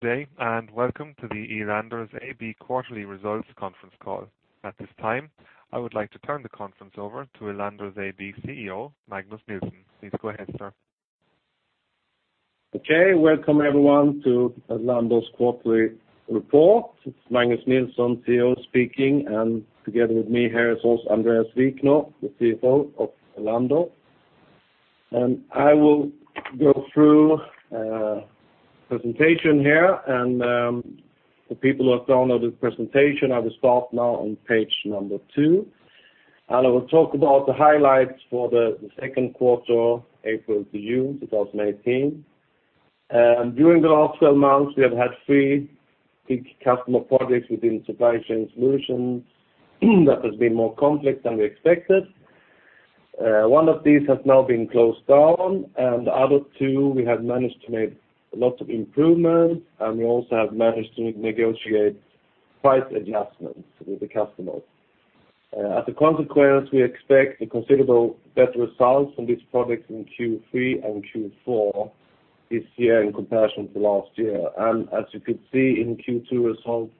Today and welcome to the Elanders AB quarterly results conference call. At this time, I would like to turn the conference over to Elanders AB CEO, Magnus Nilsson. Please go ahead, sir. Okay. Welcome, everyone, to Elanders' quarterly report. It's Magnus Nilsson, CEO, speaking, and together with me here is Andréas Wikner, the CFO of Elanders. I will go through the presentation here, and for people who have downloaded the presentation, I will start now on page number 2. I will talk about the highlights for the second quarter, April to June 2018. During the last 12 months, we have had three big customer projects within Supply Chain Solutions that have been more complex than we expected. One of these has now been closed down, and the other two, we have managed to make lots of improvements, and we also have managed to negotiate price adjustments with the customers. As a consequence, we expect a considerable better result from these projects in Q3 and Q4 this year in comparison to last year. And as you could see in Q2 results,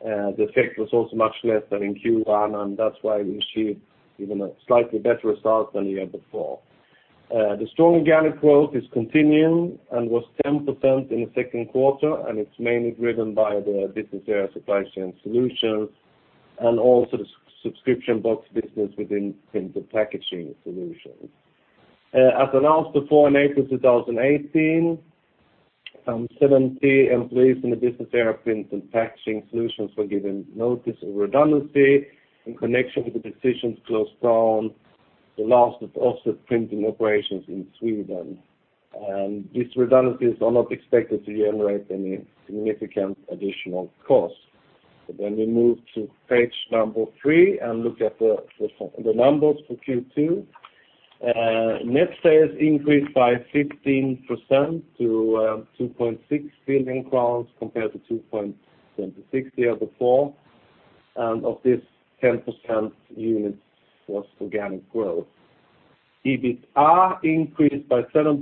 the effect was also much less than in Q1, and that's why we achieved even a slightly better result than the year before. The strong organic growth is continuing and was 10% in the second quarter, and it's mainly driven by the business area Supply Chain Solutions and also the subscription box business within Print & Packaging Solutions. As announced before in April 2018, 70 employees in the business area Print & Packaging Solutions were given notice of redundancy in connection with the decision to close down the last of offset printing operations in Sweden. And these redundancies are not expected to generate any significant additional cost. But then we move to page number three and look at the numbers for Q2. Net sales increased by 15% to 2.6 billion crowns compared to 2.26 a year before. Of this, 10% units was organic growth. EBITDA increased by 7%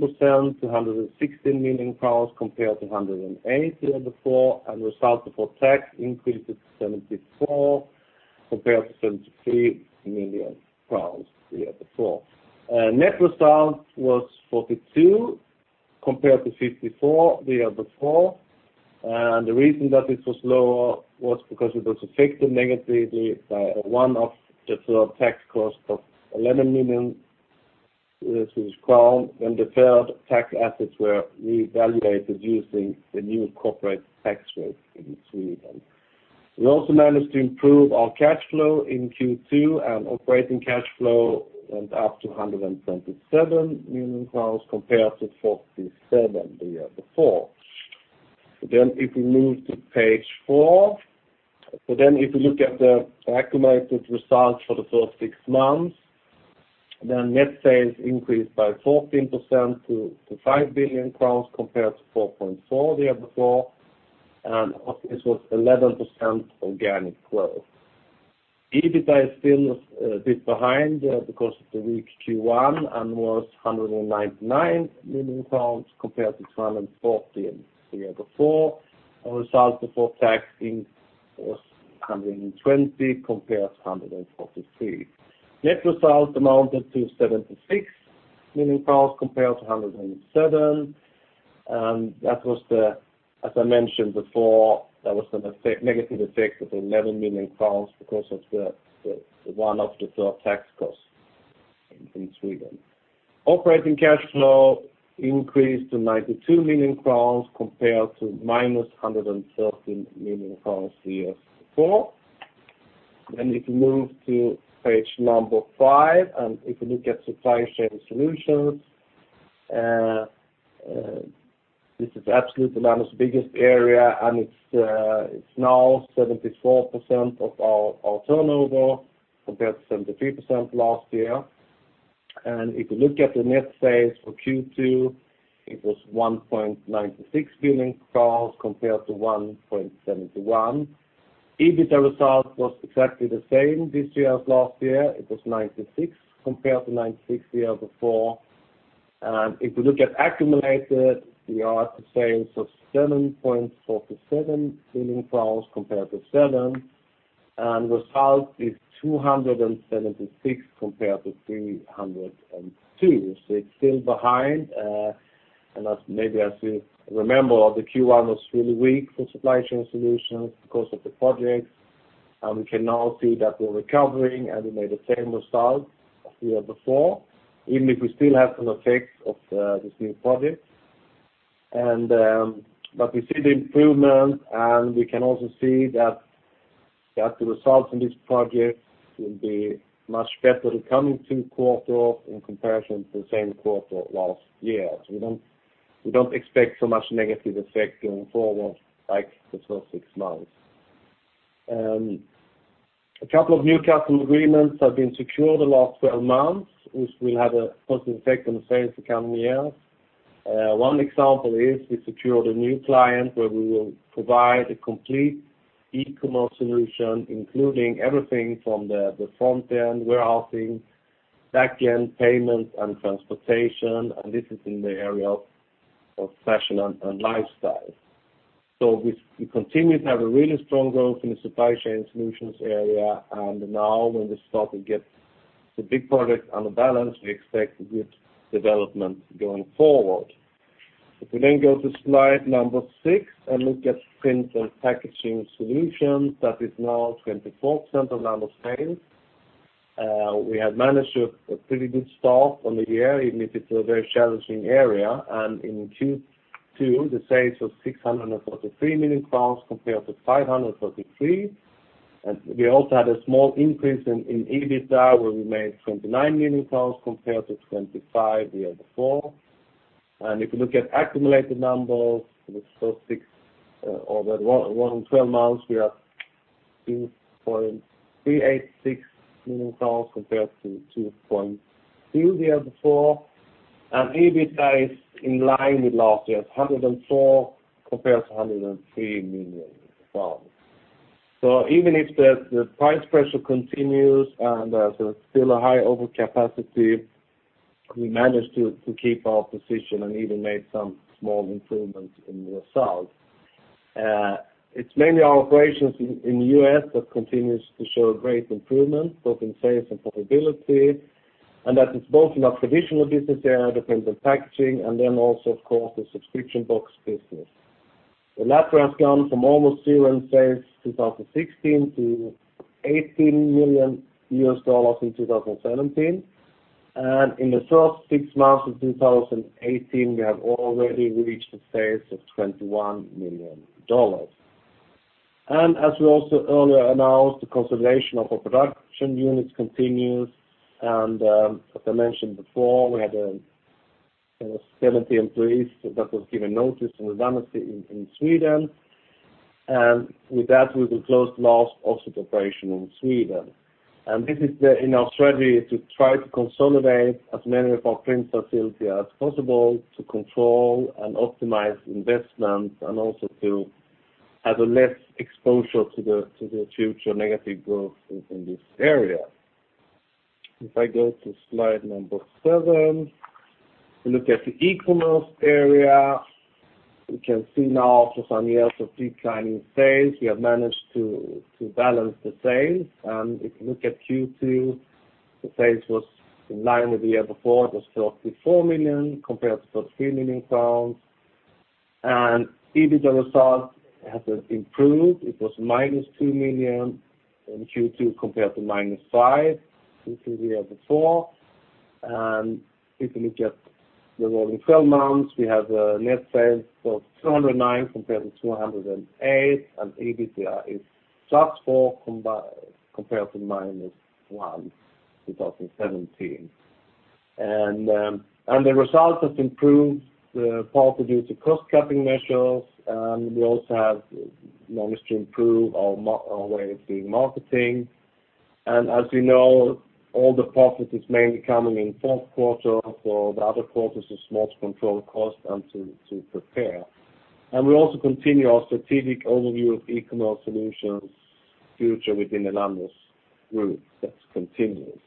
to 116 million compared to 108 million the year before, and result before tax increased to 74 million compared to 73 million the year before. Net result was 42 million compared to 54 million the year before. The reason that this was lower was because it was affected negatively by one-off deferred tax cost of SEK 11 million when the deferred tax assets were revalued using the new corporate tax rate in Sweden. We also managed to improve our cash flow in Q2, and operating cash flow went up to SEK 127 million compared to 47 million the year before. So then if we move to page four, so then if we look at the accumulated results for the first six months, then net sales increased by 14% to 5 billion crowns compared to 4.4 billion the year before, and of this was 11% organic growth. EBITDA is still a bit behind, because of the weak Q1, and was SEK 199 million compared to 214 million the year before. Result before tax was 120 million compared to 143 million. Net result amounted to SEK 76 million compared to 107 million, and that was, as I mentioned before, that was a negative effect of 11 million because of the one-off deferred tax costs in Sweden. Operating cash flow increased to 92 million crowns compared to -113 million crowns the year before. Then if we move to page number 5 and if we look at Supply Chain Solutions, this is absolutely Elanders' biggest area, and it's, it's now 74% of our, our turnover compared to 73% last year. And if we look at the net sales for Q2, it was 1.96 billion compared to 1.71 billion. EBITDA result was exactly the same this year as last year. It was 96 million compared to 96 million the year before. And if we look at accumulated, we are at the sales of 7.47 billion crowns compared to 7 billion, and result is 276 million compared to 302 million. So it's still behind, and as maybe as you remember, the Q1 was really weak for Supply Chain Solutions because of the projects, and we can now see that we're recovering and we made the same result as the year before, even if we still have some effects of this new project. But we see the improvements, and we can also see that the results from this project will be much better the coming two quarters in comparison to the same quarter last year. So we don't expect so much negative effect going forward like the first six months. A couple of new customer agreements have been secured the last 12 months, which will have a positive effect on the sales the coming years. One example is we secured a new client where we will provide a complete e-commerce solution including everything from the front end, warehousing, back end, payments, and transportation, and this is in the area of fashion and lifestyle. So we continue to have a really strong growth in the Supply Chain Solutions area, and now when we start to get the big projects under balance, we expect good development going forward. If we then go to slide number six and look at Print & Packaging Solutions, that is now 24% of Elanders' sales. We have managed a pretty good start on the year even if it's a very challenging area, and in Q2, the sales were 643 million crowns compared to 533 million. We also had a small increase in EBITDA where we made 29 million crowns compared to 25 million the year before. And if we look at accumulated numbers for the first six, or the 12 months, we are at SEK 2.386 million compared to 2.2 million the year before, and EBITDA is in line with last year's 104 compared to 103 million. So even if the price pressure continues and there's still a high overcapacity, we managed to keep our position and even made some small improvements in the result. It's mainly our operations in the U.S. that continues to show great improvement both in sales and profitability, and that is both in our traditional business area Print & Packaging and then also, of course, the subscription box business. Elanders has gone from almost zero in sales 2016 to $18 million in 2017, and in the first six months of 2018, we have already reached the sales of $21 million. As we also earlier announced, the consolidation of our production units continues, and, as I mentioned before, we had 70 employees that was given notice of redundancy in Sweden. With that, we will close the last offset operation in Sweden. This is in our strategy to try to consolidate as many of our print facility as possible to control and optimize investments and also to have a less exposure to the future negative growth in this area. If I go to slide number 7, if we look at the e-commerce area, we can see now for some years of declining sales. We have managed to balance the sales, and if we look at Q2, the sales was in line with the year before. It was 44 million compared to SEK 43 million, and EBITDA result has improved. It was -2 million in Q2 compared to -5 million the year before. If we look at the rolling 12 months, we have net sales of 209 million compared to 208 million, and EBITDA is +4 million combined compared to -1 million in 2017. The results have improved, partly due to cost-cutting measures, and we also have managed to improve our way of doing marketing. As you know, all the profit is mainly coming in fourth quarter, so the other quarters are small to control costs and to prepare. We also continue our strategic overview of e-commerce solutions future within Elanders Group. That's continuous.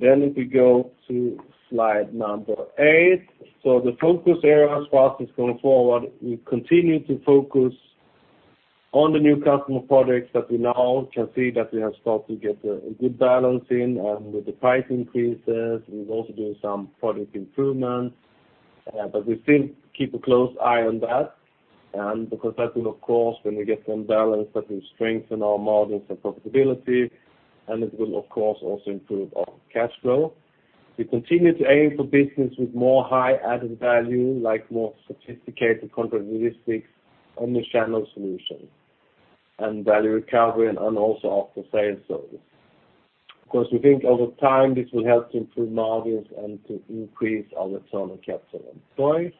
Then if we go to slide number 8, so the focus area as far as it's going forward, we continue to focus on the new customer projects that we now can see that we have started to get a good balance in, and with the price increases, we've also done some product improvements. But we still keep a close eye on that, because that will, of course, when we get them balanced, that will strengthen our margins and profitability, and it will, of course, also improve our cash flow. We continue to aim for business with more high added value, like more sophisticated contract logistics omnichannel solutions and value recovery and also after-sales service. Of course, we think over time this will help to improve margins and to increase our return on capital employed.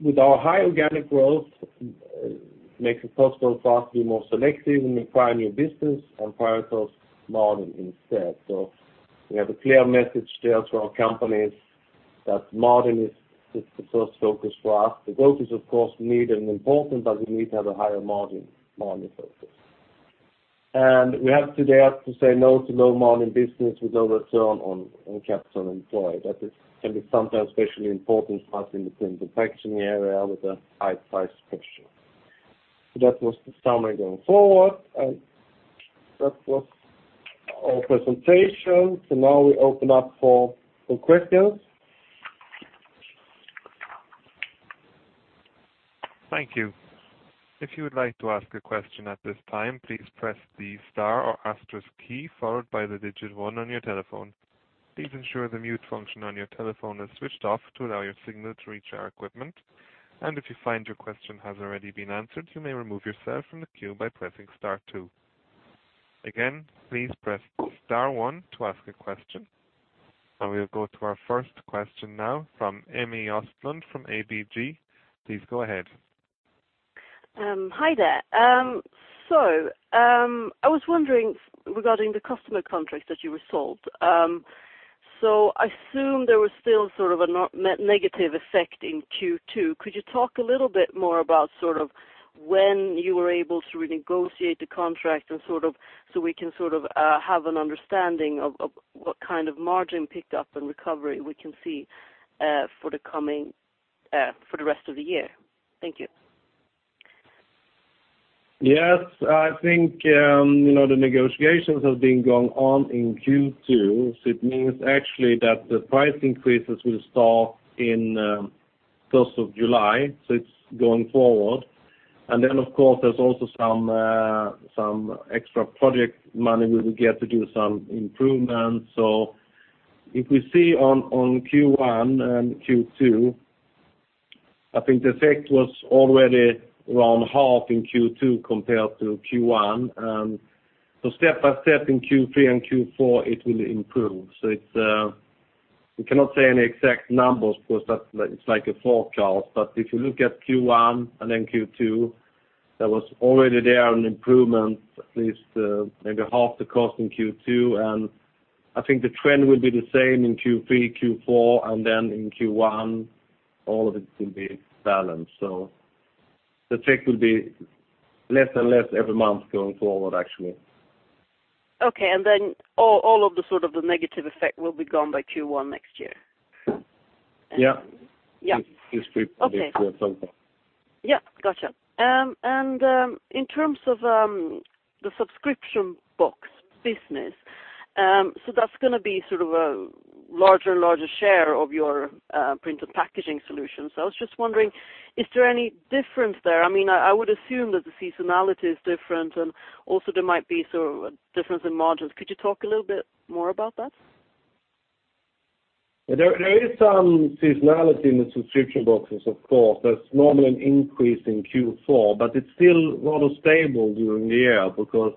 With our high organic growth, it makes it possible for us to be more selective in acquiring new business and higher cost margins instead. So we have a clear message there to our companies that margin is, is the first focus for us. The growth is, of course, needed and important, but we need to have a higher margin margin focus. And we have today to say no to low margin business with low return on, on capital employed. That can be sometimes especially important for us in the Print & Packaging area with a high price pressure. So that was the summary going forward, and that was our presentation. So now we open up for, for questions. Thank you. If you would like to ask a question at this time, please press the star or asterisk key followed by the digit one on your telephone. Please ensure the mute function on your telephone is switched off to allow your signal to reach our equipment. If you find your question has already been answered, you may remove yourself from the queue by pressing star two. Again, please press star one to ask a question. We'll go to our first question now from Emmy Östlund from ABG. Please go ahead. Hi there. So, I was wondering regarding the customer contract that you resolved. So I assume there was still sort of a nominal negative effect in Q2. Could you talk a little bit more about sort of when you were able to renegotiate the contract and sort of so we can sort of have an understanding of what kind of margin picked up and recovery we can see for the coming, for the rest of the year? Thank you. Yes. I think, you know, the negotiations have been going on in Q2, so it means actually that the price increases will start in first of July, so it's going forward. And then, of course, there's also some extra project money we will get to do some improvements. So if we see on Q1 and Q2, I think the effect was already around half in Q2 compared to Q1, and so step by step in Q3 and Q4, it will improve. So it's, we cannot say any exact numbers because that it's like a forecast, but if you look at Q1 and then Q2, there was already there an improvement, at least, maybe half the cost in Q2, and I think the trend will be the same in Q3, Q4, and then in Q1, all of it will be balanced. The effect will be less and less every month going forward, actually. Okay. And then all, all of the sort of the negative effect will be gone by Q1 next year? Yeah. Yep. This week we have talked about. Okay. Yep. Gotcha. And, in terms of, the subscription box business, so that's gonna be sort of a larger and larger share of your, Print & Packaging Solutions. I was just wondering, is there any difference there? I mean, I, I would assume that the seasonality is different, and also there might be sort of a difference in margins. Could you talk a little bit more about that? Yeah. There is some seasonality in the subscription boxes, of course. There's normally an increase in Q4, but it's still rather stable during the year because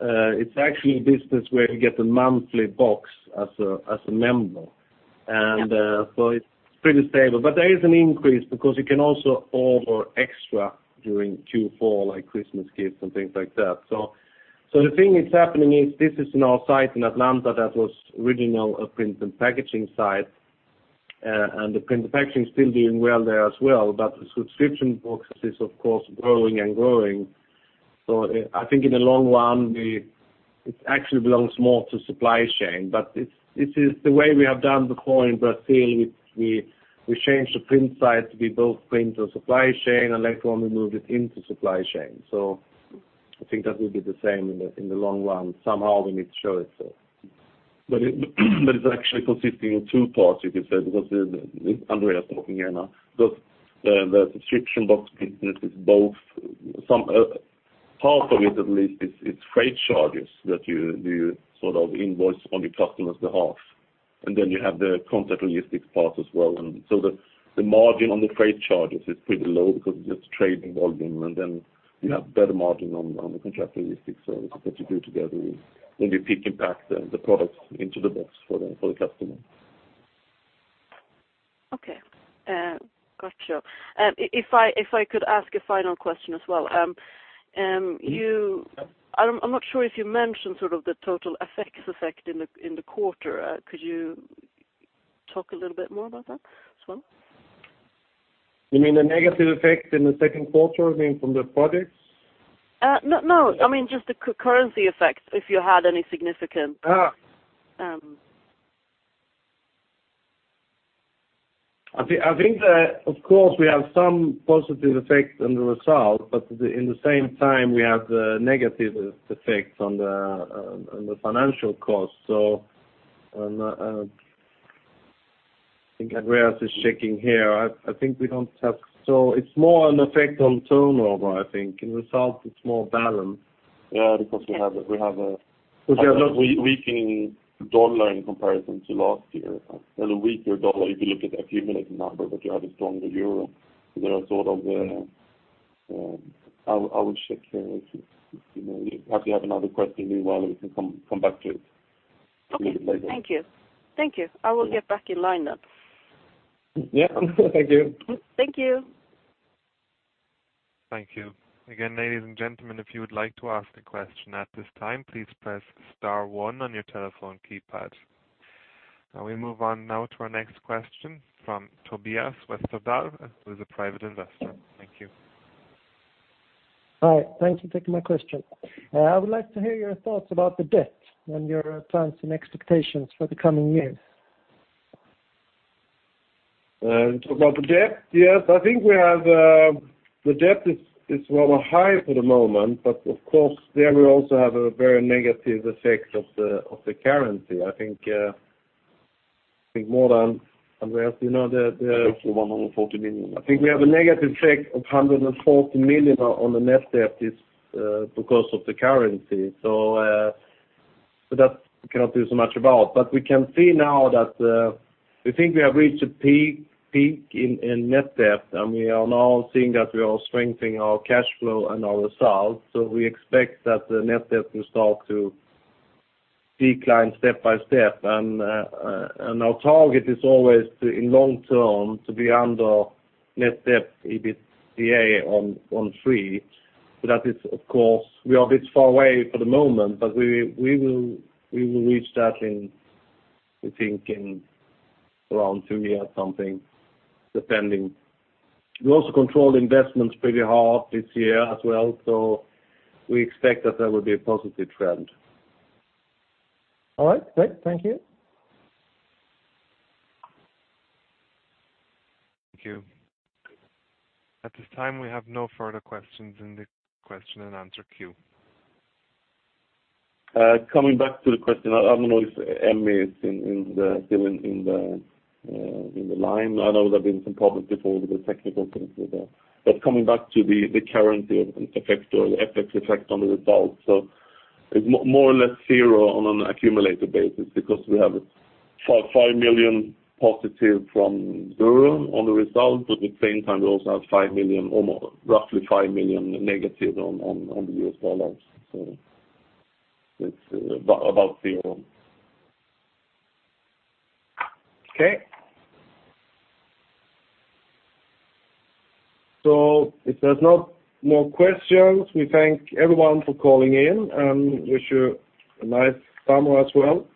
it's actually a business where you get a monthly box as a member, and so it's pretty stable. But there is an increase because you can also order extra during Q4, like Christmas gifts and things like that. So the thing that's happening is this is in our site in Atlanta. That was originally a Print & Packaging Solutions site, and the Print & Packaging Solutions's still doing well there as well, but the subscription box is, of course, growing and growing. So, I think in the long run, we it actually belongs more to Supply Chain Solutions, but it's, it is the way we have done before in Brazil. We changed the print site to be both print and supply chain, and later on, we moved it into supply chain. So I think that will be the same in the long run. Somehow, we need to show itself. But it's actually consisting of two parts, you could say, because it's Andréas talking here now. Because the subscription box business is both, some part of it at least is freight charges that you do sort of invoice on your customer's behalf, and then you have the contract logistics part as well. And so the margin on the freight charges is pretty low because it's just trading volume, and then you have better margin on the contract logistics services that you do together when you're picking, packing the products into the box for the customer. Okay. Gotcha. If I could ask a final question as well. You. Yeah. I don't, I'm not sure if you mentioned sort of the total effect in the quarter. Could you talk a little bit more about that as well? You mean the negative effect in the second quarter, I mean, from the projects? No, no. I mean just the currency effect if you had any significant. I think that, of course, we have some positive effect on the result, but in the same time, we have the negative effect on the financial cost. So, I think Andréas is checking here. I think we don't have. So it's more an effect on turnover, I think. In result, it's more balanced. Yeah. Because we have a we have a. Yeah. Because we have lots of weakening dollar in comparison to last year. And a weaker dollar if you look at accumulating number, but you have a stronger euro. So there are sort of, I will check here if you know, you have to have another question meanwhile. We can come back to it. Okay. A little bit later. Thank you. Thank you. I will get back in line then. Yeah. Thank you. Thank you. Thank you. Again, ladies and gentlemen, if you would like to ask a question at this time, please press star one on your telephone keypad. We move on now to our next question from Tobias Westerdahl, who is a private investor. Thank you. Hi. Thank you for taking my question. I would like to hear your thoughts about the debt and your plans and expectations for the coming years. Talk about the debt? Yes. I think we have, the debt is rather high for the moment, but, of course, there we also have a very negative effect of the currency. I think more than Andréas, you know, the. I think we're 140 million. I think we have a negative effect of 140 million on the net debt, because of the currency. So that we cannot do so much about. But we can see now that we think we have reached a peak in net debt, and we are now seeing that we are strengthening our cash flow and our results. So we expect that the net debt will start to decline step by step. And our target is always in long term to be under net debt/EBITDA on 3. So that is, of course we are a bit far away for the moment, but we will reach that in we think in around two years something, depending. We also control investments pretty hard this year as well, so we expect that there will be a positive trend. All right. Great. Thank you. Thank you. At this time, we have no further questions in the question and answer queue. Coming back to the question, I don't know if Emmy is still in the line. I know there have been some problems before with the technical things, but coming back to the currency effect or the effects on the results, so it's more or less zero on an accumulated basis because we have +5 million from euro on the result, but at the same time, we also have 5 million or roughly -5 million on the U.S. dollars. So it's about zero. Okay. So if there's not more questions, we thank everyone for calling in, and wish you a nice summer as well.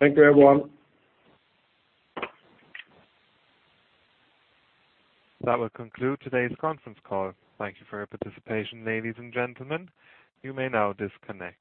Thank you, everyone. That will conclude today's conference call. Thank you for your participation, ladies and gentlemen. You may now disconnect.